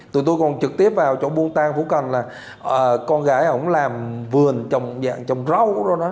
tụi tôi còn trực tiếp vào chỗ buôn tang phú cần là con gái làm vườn trồng rau